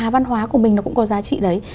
văn hóa của mình nó cũng có giá trị đấy